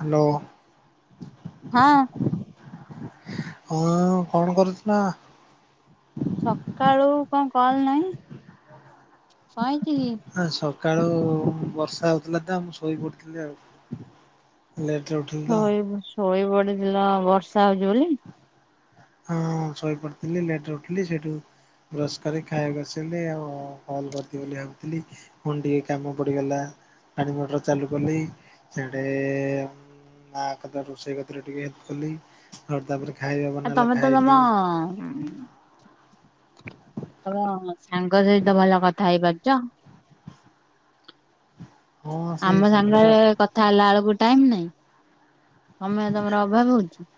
Hello. ହଁ। ହଁ କଣ କରୁଥିଲ? ସକାଳୁ କଣ କଲ ନାହିଁ କାହିଁକି? ଶୋଇଥିଲି। ହଁ ସକାଳୁ ବର୍ଷା ହଉଥିଲା ତ ମୁଁ ଶୋଇ ପଡିଥିଲି ଆଉ। ଲେଟରେ ଉଠି ଶୋଇ ଶୋଇପଡିଥିଲ ବର୍ଷା ହଉଛି ବୋଲି। ହଁ ଶୋଇ ପଡିଥିଲି ଲେଟର ଉଠିଲି ସେଇଠୁ ବ୍ରସ୍ କରି ଖାଇଆକୁ ଆସିଲି ଆଉ ହଲ୍ କରିଥ ବୋଲି ଭାବୁଥିଲି। ଫୁଣି ଟିକେ କାମ ପଡିଗଲା ପାଣି ମଟର ଚାଲୁ କଲି ସିଆଡେ ମା କଥା ରୋଷେଇ ଗତିରେ ଟିକେ ହେଲ୍ପ କଲି। [unintelligible] ତାପରେ ଖାଇବା ଆଉ ବନାଲା ତମେ ତମ ତମ ସାଙ୍ଗ ସହିତ ଭଲ କଥା ହେଇପାରୁଛ। ହଁ ସେଇ ଆମ ସାଙ୍ଗଟା ସାଙ୍ଗରେ କଥା ହେଲା ଏଳକୁ ଟାଇମ ନାଇଁ। ସମୟ ତମର ଅଭାବ ହଉଛି।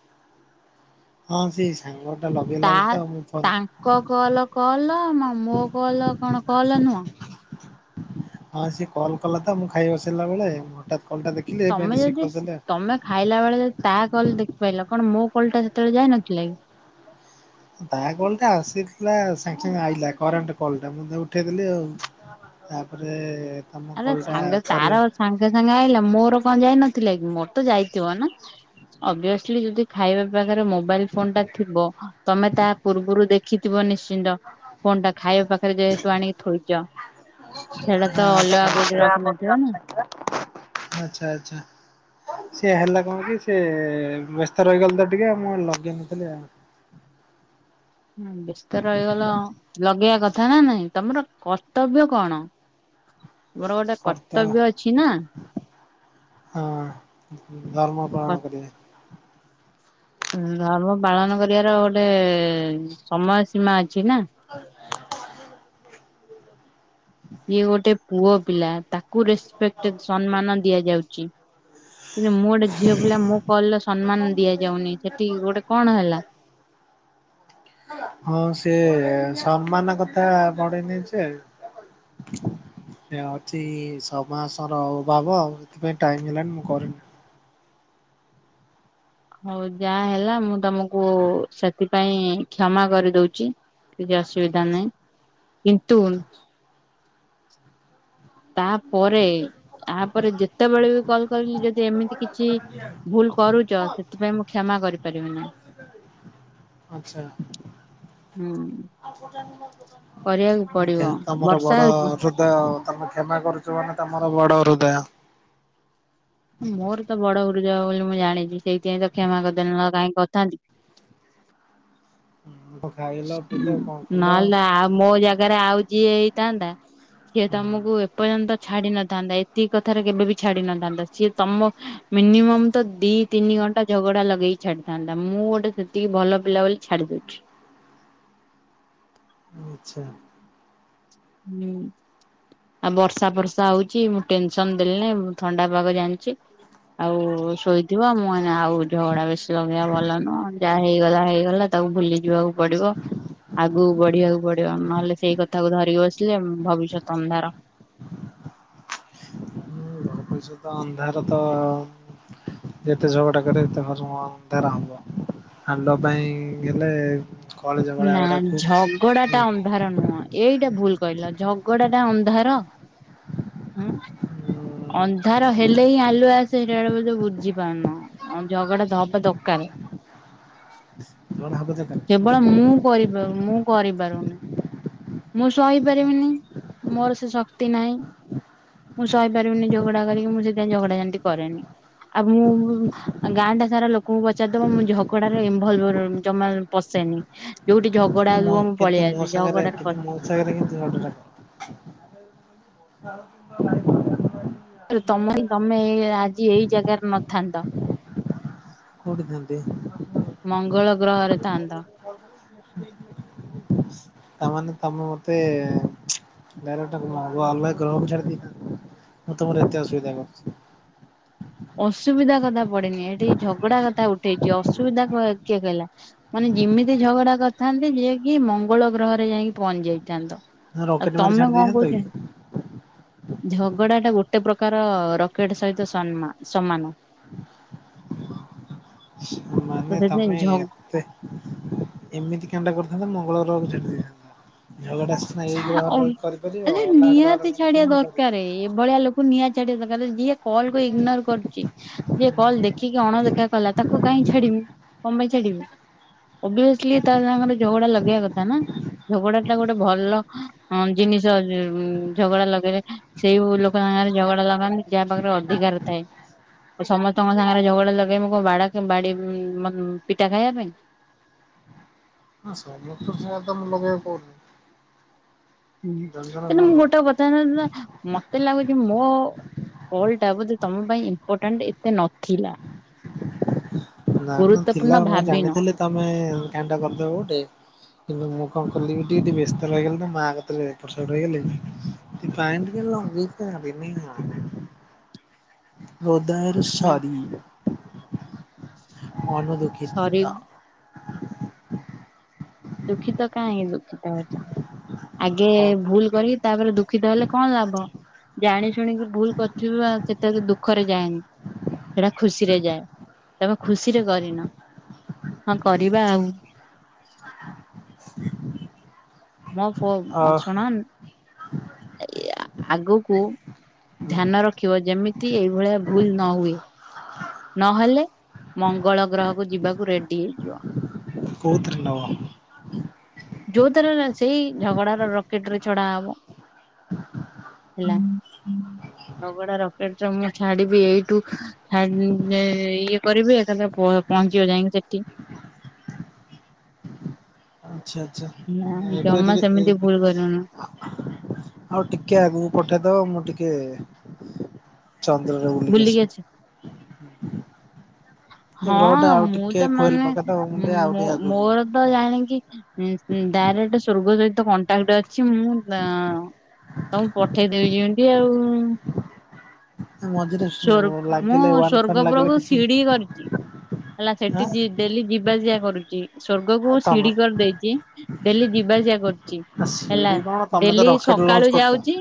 ହଁ ସେଇ ସାଙ୍ଗଟା ତା ଲଗେଇଲା ଯେତ ମୁଁ ତାଙ୍କ ଫୋନ କଲ କଲ ମୋ କଲ କଣ କଲ ନୁହଁ? ହଁ ସିଏ କଲ କଲା ମୁଁ ଖାଇ ବସିଲା ବେଳେ ମୁଁ ହଟାତ୍ କଲଟା ଦେଖି ତମେ ଯଦି ତମେ ଖାଇଲା ବେଳେ ଯଦି ତା କଲ ଦେଖିପାଇଲ କଣ ମୋ କଲଟା ସେତେବେଳେ ଯାଇ ନଥିଲା କି? ତା କଲଟା ଆସିଥିଲା ସାଙ୍ଗେ ସାଙ୍ଗେ ଆଇଲା କରେଣ୍ଟ କଲଟା ମୁ ତା ଉଠେଇଦେଲି ଆଉ। ତାପରେ ତମ ଆରେ କଲ ଟା ସାଙ୍ଗ ତାର କରି ସାଙ୍ଗେ ସାଙ୍ଗେ ଆଇଲା ମୋର କଣ ଯାଇନଥିଲା କି ମୋରତ ଯାଇଥିବ ନା। ଅବ୍ୟସଲି ଯଦି ଖାଇବା ପାକରେ ମୋବାଇଲ ଫୋନଟା ଥିବ ତମେ ତା ପୂର୍ବରୁ ଦେଖିଥିବ ନିଶ୍ଚିନ୍ତ। ଫୋନଟା ଖାଇଆ ପାଖରେ ଯେହେତୁ ଆଣିକି ଥୋଇଛ। ସେଇଟା [unintelligible] ତ ଅଲଗା କୋଉଠି ରଖିନଥିବ ନା। ଆଚ୍ଛା-ଆଚ୍ଛା। ସିଏ ହେଲା କଣ କି ସିଏ ବ୍ୟସ୍ତ ରହିଗଲି ତ ଟିକେ ମୁଁ ଲଗେଇନଥିଲି ଆଉ। ହୁଁ ବ୍ୟସ୍ତ ରହିଗଲ ଲଗେଇଆ କଥା ନା ନାଇଁ। ତମର କର୍ତ୍ତବ୍ୟ କଣ? ମୋର ଗୋଟେ କର୍ତ୍ତା କର୍ତ୍ତବ୍ୟ ଅଛି ନା। ହଁ ଧର୍ମ ପାଳନ କରିବେ। ଧର୍ମ ପାଳନ କରିବାର ଗୋଟେ ସମୟ ସୀମା ଅଛି ନା। ହ। ଯିଏ ଗୋଟେ ପୁଅ ପିଲା ତାକୁ ରେସପେକ୍ଟ ସମ୍ମାନ ଦିଆଯାଉଛି କିନ୍ତୁ ମୁଁ ଗୋଟେ ଝିଅ ପିଲା ମୋ କଲ ସମ୍ମାନ ଦିଆଯାଉନି ସେଠି ଗୋଟେ କଣ ହେଲା। ହ ହଁ ସେ ସମ୍ମାନ କଥା ପଡିନି ଯେ [unintelligible] ସେ ଅଛି ଛଅ ମାସର ଅଭାବ ଆଉ ସେଥିପାଇଁ ଟାଇମ ହେଲାଣି ମୁଁ କରିନି ହଉ ଯାହା ହେଲା ମୁଁ ତମକୁ ସେଥିପାଇଁ କ୍ଷମା କରିଦଉଛି। କିଛି ଆଚ୍ଛା ଅସୁବିଧା ନାହିଁ କିନ୍ତୁ ତାପରେ ତାପରେ ଯେତେବେଳେ ବି କଲ କରିଲି ଯଦି ଏମିତି କିଛି ଭୁଲ କରୁଛ ସେଥିପାଇଁ ମୁଁ କ୍ଷମା କରିପାରିବିନି ଆଚଛା। ହୁଁ କରିବାକୁ ପଡିବ ତମର ବଡ ବର୍ଷା ର ହ ହଉଛି। ଆଉ ତମେ କ୍ଷମା କରୁଛ ମାନ ତମର ବଡ ହୃଦୟ। ମୋର ତ ବଡ ହୃଦୟ ବୋଲି ମୁଁ ଜାଣିଛି ସେଇଥିପାଇଁ ତ କ୍ଷମା କରି ଦେଲି କାଇଁ କରି ଥାନ୍ତି। ହୁଁ ଖାଇଲ ପିଇଲ କଣ କଲ ନହେଲେ ଆଉ ମୋ ଜାଗାରେ ଆଉ ଯିଏ ହେଇଥାନ୍ତା ସିଏ ହୁଁ ତମକୁ ଏ ପର୍ଯ୍ୟନ୍ତ ଛାଡି ନଥାନ୍ତା ଏତିକି କଥାରେ କେବେ ବି ଛାଡି ନଥାନ୍ତା ସିଏ ତମ ମିନିମମ୍ ତ ଦି ତିନି ଘଣ୍ଟା ଝଗଡା ଲଗେଇକି ଛାଡିଥାନ୍ତା ମୁଁ ଗୋଟେ ଟିକେ ଭଲ ପିଲା ବୋଲି ଛାଡି ଦଉଛି। ଆଚ୍ଛା। ହୁଁ ଆଉ ବର୍ଷା ବର୍ଷା ହଉଛି ମୁଁ ଟେନସନ ଦେଲି ନାହିଁ ମୁଁ ଥଣ୍ଡା ପାଗ ଜାଣିଛି। ଆଉ ଶୋଇଥିବ ମୁଁ କଇନି ଆଉ ଝଗଡା ବେଶୀ ଲଗେଇବା ଭଲ ନୁହଁ ଯାହା ହେଇଗଲା ହେଇଗଲା। ତାକୁ ଭୁଲି ଯିବାକୁ ପଡିବ ଆଗକୁ ବଢିବାକୁ ପଡିବ ନହେଲେ ସେଇ କଥାକୁ ଧରିକି ବ ସିଲେ ଭବିଷ୍ୟତ ଅନ୍ଧାର। ଭାବିଷତ ଅନ୍ଧାର ତ। ଯେତେ ଝଗଡା କରିବ ସେତେ ହରମନ ଅନ୍ଧାର ହବ। ହାଲ ପାଇଁ ଗଲେ ନା ଝଗଡ଼ା ଟା ଅନ୍ଧାର ନୁହଁ। ଏଇଟା ଭୁଲ କହିଲ ଝଗଡା ଟା ଅନ୍ଧାର ଉଁ। ଅନ୍ଧାର ହେଲେ ହିଁ ଆଲୁଅ ଆସେ ସେଇଟା ବେଳେ ତ ବୁଝି ପାରୁନ। ହଁ ଝଗଡା ଦହବା ହବା ଦରକାର। ମୋର ହାତ ତେକନି। କେବଳ ମୁଁ କରିପାରୁ, ମୁଁ କରିପାରୁନି। ମୁଁ ସହିପାରିବିନି, ମୋର ସେ ଶକ୍ତି ନାହିଁ। ମୁଁ ସହିପାରିବିନି ଝଗଡା କରିକି, ମୁଁ ସେଇଥିପାଇଁ ଝଗଡା ଝାଣ୍ଟି କରେନି, ଆଉ ମୁଁ ଗାଁ ଟା ସାରା ଲୋକଙ୍କୁ ପଚାରିଦବ, ମୁଁ ଝଗଡାର ଇନଭଲବ୍ ରହୁନି, ଜମା ପଶେନି। ଯୋଉଠି ଝଗଡା ହୋଉଥିବା ମୁଁ ପଳେଇ ଆସେ, ଝଗଡା ରେ ପଶ୍ ଦେଖାକରିକି ଯିବା କଥା। ତମ ହ ତମେ ଆଜି ଏଇ ଜାଗାରେ ନଥାନ୍ତ। କଉଠିଥାନ୍ତି? ମଙ୍ଗଳ ଗ୍ରହରେ ଥାନ୍ତ। [unintelligible] ତା ମାନେ ତମେ ମତେ ଡାଇରେକ୍ଟ ଅଲ ଗ୍ରହକୁ ଛାଡିଦେଇଥାନ୍ତ, ମୁଁ ତମର ଏତେ ଅସୁବିଧା କରୁଛି? ଅସୁବିଧା କଥା ପଡ଼ିନି, ଏଠି ଝଗଡା କଥା ଉଠେଇଛି, ଅସୁବିଧା କିଏ କହିଲା? ମାନେ ଯେମିତି ଝଗଡା କରିଥାନ୍ତି, ଯିଏ କିି ମଙ୍ଗଳ ଗ୍ରହରେ ଯାଇକି ପହଞ୍ଚି ଯାଇଥାନ୍ତ। ଆଉ ରକେଟ ମାରି ତମେ ଛାଡି କଣ ଦେଇଥାନ୍ତ କହୁଚ କି? ଝଗଡା ଟା ଗୋଟେ ପ୍ରକାର ରକେଟ୍ ସହିତ ସନ୍ ମା ସମାନ। ତ ମାନେ ସେଥିପାଇଁ ତମେ ଝଗ ଏତେ ଏମିତି କାଣ୍ଡ କରିଥାନ୍ତ, ମଙ୍ଗଳ ଗ୍ରହକୁ ଛାଡି ଦେଇଥାନ୍ତ, ଝଗଡା ସ ନିହାତି ଗଲେ ଛାଡଆ କେମିତି କରିବ? ଦରକାର୍, ଏଭଳିଆ ଲୋକ୍ କୁ ନିଆଁ ଛାଡିବା ଦରକାର୍, ଯିଏ କଲ୍ କୁ ଇଗନୋର୍ କରୁଚି ଯିଏ କଲ୍ ଦେଖିକି ଅଣଦେଖା କଲା, ତାକୁ କାହିଁ ଛାଡିବି, କଣ ପାଇଁ ଛାଡିବି? ଓଭିଅସଲି ତା ସାଙ୍ଗରେ ଝଗଡା ଲଗେଇବା କଥା ନା, ଝଗଡା ଟା ଗୋଟେ ଭଲ ଜିନିଷ୍, ଝଗଡା ଲଗେଇଲେ ସେଇ ଲୋକ ସାଙ୍ଗରେ ଝଗଡା ଲଗାନ୍ତି, ଯାହା ପାଖରେ ଅଧିକାର ଥାଏ। ଆ ସମସ୍ତଙ୍କ ସାଙ୍ଗରେ ଝଗଡ଼ା ଲଗେଇବୁ, କ ବାଡ ବାଡି ପିଟା ଖାଇବା ପାଇଁ? ହଁ ସମସ୍ତ [unintelligible] ମୁଁ ଲଗେଇବାକୁ କହୁନି। ହୁଁ, ଜଣେ ଜଣେ କିନ୍ତୁ ସାର ମୁଁ ଲଗାଅ। ଗୋଟେ କଥା [unintelligible] ମତେ ଲାଗୁଚି ମୋ କଲ୍ ଟା, ବୋଧେ ତମ ପାଇଁ ଇମ୍ପୋର୍ଟାଣ୍ଟ୍ ଏତେ ନଥିଲା। ନା ନା ଗୁରୁତ୍ୱପୂର୍ଣ୍ଣ ଥିଲା, ମୁଁ ଭାବିନ। ଜାଣିନଥିଲି ତମେ କାଣ୍ଡ କରିଦେବ ଗୋଟେ। କି ମୁଁ କଣ କଲିିବି ଟିକେ ଟିକେ ବ୍ୟସ୍ତ ରହିଗଲି ତ, ମା କତିରେ ଏପଟ ସେପଟ ହେଇଗଲି [unintelligible] ହୃଦୟରୁ ହଁ ସରି, ଆମେ ସରି ଦୁଃଖିତ। ଦୁଃଖିତ କାହିଁ ଦୁଃଖିତ ହଉଚ, ଆଗେ ଭୁଲ୍ କରିକି, ତାପରେ ଦୁଃଖିତ ହେଲେ କଣ ଲାଭ? ଜାଣି ଶୁଣିକି ଭୁଲ୍ କରିଥିବୁ, ଆଉ ସେତରେ ଦୁଃଖରେ ଯାଏନି। ସେଟା ଖୁସିରେ ଯାଏ, ତମେ ଖୁସିରେ କରିନ, ହଁ କରିବା ଆଉ। ମୋ ଫୋନ୍, ଅ ଶୁଣନ୍, ଇଆ ଆଗକୁ ଧ୍ୟାନ ରଖିବ, ଯେମିତି ଏଇଭଳିଆ ଭୁଲ୍ ନ ହୁଏ। ନହେଲେ ମଙ୍ଗଳ ଗ୍ରହକୁ ଯିବାକୁ ରେଡି ହେଇଯିବ। କୋଉଥିରେ ନବ? ଯୋଉଥିରେ ନାଇଁ ସେଇ, ଝଗଡା ର ରକେଟ୍ ରେ ଛଡା ହବ। ହେଲା, ଝଗଡା ରକେଟ୍ ଯୋଉ ମୁଁ ଛାଡିବି ଏଇଠୁ [unintelligible] ଇଏ, ଇଏ କରିବି, ଏକାଥରେ ପହଞ୍ଚିବ ଯାଇକି ସେଠି। ଆଛା ଆଛା, ଏ ଏବେ ଜମା ଟିକେ ସେମିତି ଭୁଲ କରିବୁନୁ [unintelligible] ଆଉ ଟିକେ ଆଗକୁ ପଠେଇଦବ ମୁଁ ଟିକେ ଚନ୍ଦ୍ରରେ ବୁଲିକି ଆସିବି। ଏ ହଁ, ଗ୍ରହ ଟା ଆଉ ମୁଁ ଟିକେ ତ ଫୁଏଲ ମାନେ, ପକେଇଦବ ମୁଁ ଟିକେ ଆଉ ମୋ ଟିକେ ଆଗକୁ ମୋର ଯିବି। [unintelligible] ଜାଣିକି, ଡାଇରେକ୍ଟ ସ୍ବର୍ଗ ସହିତ କଣ୍ଟାକ୍ଟ ଅଛି ମୁଁ ତ ତମକୁ ପଠେଇଦେବି ଯେମିତି ଆଉ। ମଝିରେ ସ୍ୱର୍ଗ୍, ମୁଁ ଲାଗିଲେ ୱାନ ଫାନ ଲାଗିଲେ ସ୍ୱର୍ଗପୁରକୁ କିଛି ସିଡ଼ି କରିଚି ହେଲା, ସେଠି ଆଁ ଯି ଡେଲି ଯିବାସିବା କରୁଚି, ସ୍ଵର୍ଗକୁ ଆଉ ସିଡି ତମେ କରିଦେଇଚି, ଡେଲି ଯିବାସିିବା କରୁଚି। ଆ ହେଲା, ସିଡି କଣ ତମେ ତ ଡେଲି ରକେଟ ଲଞ୍ଚ ସକାଳୁ କରୁଛ। ଯାଉଚି,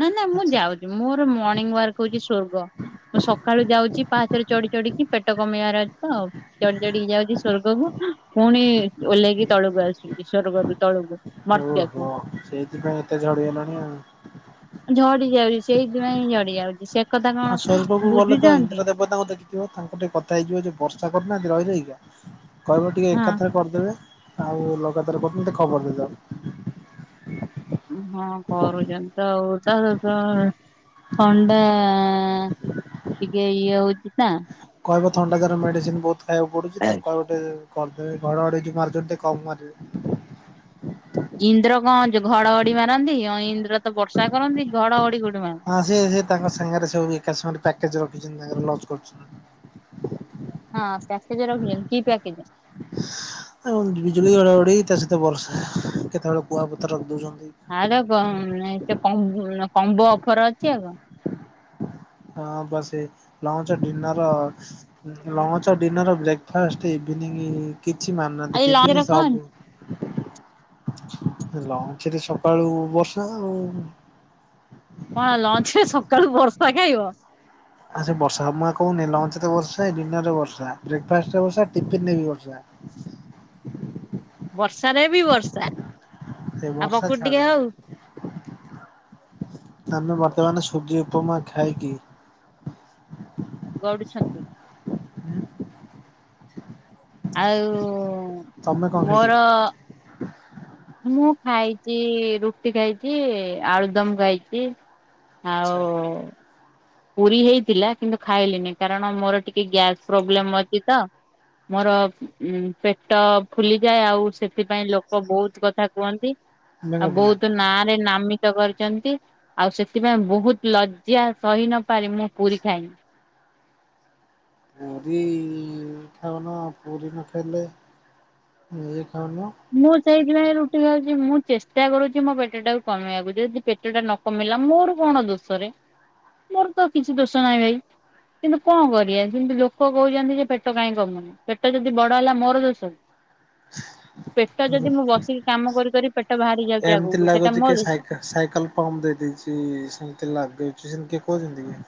ନା ନା ମୁଁ ଆଚ୍ଛା ଯାଉ ମୋର ମର୍ଣ୍ଣିଂ ୱାର୍କ୍ ହଉଚି ସ୍ୱର୍ଗ। ମୁଁ ସକାଳୁ ଯାଉଚା ପାହାଥରେ ଚଢି ଚଢିକି, ପେଟ କମେଇବାରେ ଅଛି ତ ଚଢି ଚଢିକି ଯାଉଚି ସ୍ଵର୍ଗକୁ, ପୁଣି ଓହ୍ଲେଇକି ତଳକୁ ଆସୁଚି ସ୍ଵର୍ଗରୁ ତଳକୁ। ଓହୋ ମର୍ତ୍ୟକୁ। ସେଇଥିପାଇଁ ଏତେ ଝଡି ଗଲଣି ଆଉ? ଝଡି ଯାଉଚି, ସେଇଥିପାଇଁ ହିଁ ଝଡି ଯାଉଚି, ସେ କଥା କଣ ଆଉ ସ୍ୱର୍ଗ କୁ ଗଲେ ତ, ବୁଝୁଛନ୍ତି ଇନ୍ଦ୍ରଦେବତାଙ୍କୁ ଦେଖି ଥିବ, ତାଙ୍କୁ ଟିକେ କଥା ହେଇଯିବ, ଯୋଉ ବର୍ଷା କରୁ ନାହାନ୍ତି ରହିରହିକା, କହିବ ଟିକେ ହଁ। ଏକାଥରେ କରିଦେବେ, ଆଉ ଲଗାତାର [unintelligible] ମତେ ଖବର ଦେଇଦବ। ହଁ କରୁଚନ୍ତି ତ ଆଉ, ତା [unintelligible] ଥଣ୍ଡା ଆ, ଟିକେ ଇଏ ହଉଚି ନା? କହିବ ଥଣ୍ଡା କାର ମେଡିସିନ୍ ବହୁତ୍ ଖାଇବାକୁ ପଡୁଚି, ତାଙ୍କୁ କହିବ ଟେ କରିଦେବେ, ଘଡ଼ଘଡି ଯୋଉ ମାରୁଚନ୍ତି ଟିକେ କମ୍ ମାରିବେ। ଇନ୍ଦ୍ର କଣ ଘଡଘଡି ମାରନ୍ତି? ଇନ୍ଦ୍ର ତ ବର୍ଷା କରନ୍ତି, ଘଡ ଘଡି କୋଉଠି ମାରନ୍ତି? ହଁ ସେ ସେ ତାଙ୍କ ସାଙ୍ଗରେ ସବୁ ଏକା ସମୟରେ ପ୍ୟାକେଜ୍ ରଖିଚନ୍ତି, ତାଙ୍କର ଲଜ୍ କରୁଚନ୍ତି। ହଁ ପ୍ୟାକେଜ୍ ରଖିଚନ୍ତି, କି ପ୍ୟାକେଜ୍? ବିଜୁଳିଘଡଘଡି ତା ସହିତ ବର୍ଷା, କେତେବେଳେ କୁଆପଥର ରଖି ଦଉଚନ୍ତି। ଆର କ କମ୍ କମ୍, କମ୍ବୋ ଅଫର୍ ଅଛି ଆଉ କଣ? ହଁ ପା ସେ, lunch dinner lunch, dinner, breakfast, evening, କିଛି ମାନୁନାହାନ୍ତି, ଆଜି ଲଞ୍ଚ ଟିଫିନ୍ ରେ କଣ? ସବୁ। ଲଞ୍ଚ୍ ରେ ସକାଳୁ ବର୍ଷା ଆଉ କଣ ଲଞ୍ଚ୍ ରେ ସକାଳୁ ବର୍ଷା ଖାଇବ? ଆ ସେ ବର୍ଷା, ମୁଁ କହୁନି ଲଞ୍ଚ୍ ରେ ବର୍ଷା, ଡିନର୍ ରେ ବର୍ଷା, ବ୍ରେକ୍ ଫାଷ୍ଟରେ ବର୍ଷା, ଟିଫିନ୍ ରେ ବି ବର୍ ଯା ବର୍ଷାରେ ବି ବର୍ଷା, ସେ ଆଉ ବର୍ଷା ପକୁଡି ଟିକେ ଛାଡୁନି ହଉ? ଆମେ ବର୍ତ୍ତମାନ୍ ସୁଜି ଉପମା ଖାଇ କି ଗଡୁଛନ୍ତି। ଆଉ ତମେ କଣ ମୋର ଖାଇଚ? ମୁଁ ଖାଇଚି, ରୁଟି ଖାଇଚି, ଆଳୁଦମ୍ ଖାଇଚି। ଆଚ୍ଛା ଆଉ ପୁରୀ ହେଇଥିଲା କିନ୍ତୁ ଖାଇଲିନି, କାରଣ ମୋର ଟିକେ ଗ୍ୟାସ୍ ପ୍ରୋବ୍ଲେମ୍ ଅଛି ତ? ମୋର ଉ ପେଟ ଫୁଲିଯାଏ ଆଉ ସେଥିପାଇଁ ଲୋକ ବହୁତ କଥା କୁହନ୍ତି। ତମେ ଆଉ କଣ ଖାଇଲ? ବହୁତ ନାଁରେ ନାମିତ କରିଚନ୍ତି ଆଉ ସେଥିପାଇଁ ବହୁତ୍ ଲଜ୍ଜା ସହି ନ ପାରି ମୁଁ ପୁରୀ ଖାଇନି। ପୁରୀ ଖାଉନ, ପୁରୀ ନ ଖାଇଲେ [unintelligible] ଖାଉନ? ମୁଁ ସେଇଥିପାଇଁ ରୁଟି ଖାଉଛି ମୁଁ ଚେଷ୍ଟା କରୁଛି ମୋ ପେଟ ଟାକୁ କମେଇବାକୁ ଯଦି ପେଟଟା ନ କମିଲା ମୋର କଣ ଦୋଷରେ ମୋର ତ କିଛି ଦୋଷ ନାହିଁ ଭାଇ। କିନ୍ତୁ କଣ କରିବା କିନ୍ତୁ ଲୋକ କହୁଛନ୍ତି ଯେ ପେଟ କାହିଁ କମୁନି ପେଟ ଯଦି ବଡ ହେଲା ମୋର ଦୋଷ ପେଟ ଯଦି ମୁଁ ବସିକି କାମ କରିିକି ପେଟ ବାହାରି ଯାଉ ଏମିତି ଲାଗୁଛି କି ସାଇ ସାଇକେଲ ପମ ଦେଇ ଦେଇଛି ସେନ୍ତି ଲାଗୁଚି ସେମିତି କହୁଛନ୍ତି କି?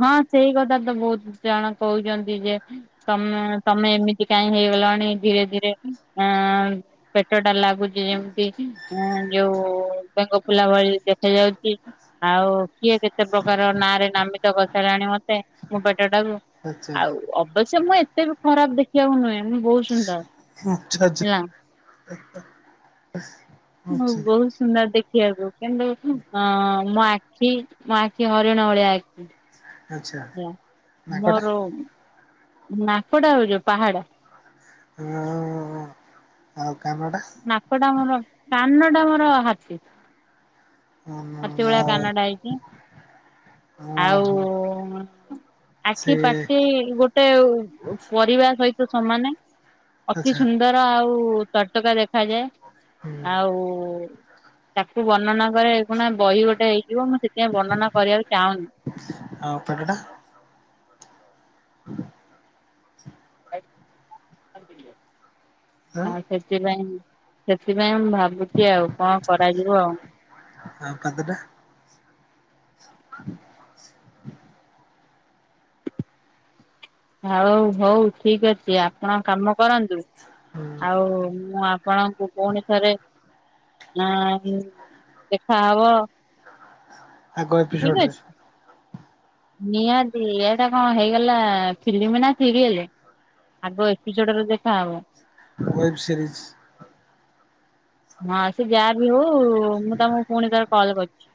ହଁ ସେଇ କଥା ତ ବହୁତ ଜଣ କହୁଛନ୍ତି ଯେ ତମେ ତମେ ଏମିତି କାହିଁ ହେଇଗଲାଣି ଧୀରେ ଧୀରେ ଆ ପେଟ ଟା ଲାଗୁଛି ଯେମିତି ଯୋଉ ବେଙ୍ଗ ଫୁଲା ଭଳି ଦେଖା ଯାଉଛି। ଆଉ କିଏ କେତେ ପ୍ରକାର ନାଁ ରେ ନାମି ଗତ କଥାରେ ଆଣି ମତେ ମୁଁ ପେଟ ଟାକୁ ଆଚ୍ଛା ଆଉ ଅବଶ୍ୟ ମୁଁ ଏ ଏତେ ବି ଖରାପ ଦେଖିବାକୁ ନୁହେଁ ମୁଁ ବହୁତ ସୁନ୍ଦର। ଆଛା ଛା। ହେଲା ହଁ ବହୁତ ସୁନ୍ଦର ଦେଖିବାକୁ କିନ୍ତୁ ମୋ ଆଖି ମୋ ଆଖି ହରିଣ ଭଳିଆ ଆଖି। ଆଚ୍ଛା ହ ନାକଟା ମୋର ନାକଟା ହଉ ଯୋଉ ପାହାଡ ହ ଆଉ କାନଟା ନାକ ଟା ଆ ମୋର କାନ ଟା ମୋର ହାତୀ। ହାତୀ ଭଳିଆ ଆଉ କାନ ଟା ହେଇଛିି ଆଉ ଓହୋ ଆଖି ସେ ପାଠି ଗୋଟେ ପରିବା ସହିତ ସମାନେ ଅତି ଆଚ୍ଛା ସୁନ୍ଦର। ଆଉ ତର୍ଟକା ଦେଖାଯାଏ ହୁଁ ଆଉ ତାକୁ ବର୍ଣ୍ଣନା କରେ ଏହି ଖୁଣା ବହି ଗୋଟେ ହେଇଯିବ ମୁଁ ସେଥିପାଇଁ ବର୍ଣ୍ଣନା କରିବାକୁ ଚାହୁଁନି। ହଁ ପେଟଟା [unintelligible] ଆଉ ସେଥିପାଇଁ ସେଥିପାଇଁ ମୁଁ ଭାବୁଛି ଆଉ କଣ କରାଯିବ ଆଉ। ଆଉ ପାଦଟା। ହଉ ହଉ ଠିକ ଅଛି ଆପଣ କାମ କରନ୍ତୁ। ହୁଁ ଆଉ ମୁଁ ଆପଣଙ୍କୁ ପୁଣି ଥରେ ନାଁ ଦେଖା ହବ। ଆଗ ଏପିସୋଡ ରେ। ନିହାତି ଏଇଟା କଣ ହେଇଗଲା ଫିଲ୍ମ ନା ସିରିଏଲ। ଆଗ ଏପିସଡରେ ଦେଖା ହବ। Web series. ହଁ ସେ ଯାହା ବିି ହଉ ମୁଁ ତମକୁ ପୁଣି ଥରେ କଲ୍ କରିୁଛି।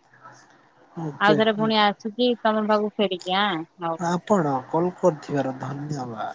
ଆଉ ଓକେ ଥର ପୁଣି ଆସୁଛିି ତମ ପାଖକୁ ଫେରିକି ଆଁ। ଆପଣ କଲ୍ କରିଥିବାର ଧନ୍ୟବାଦ।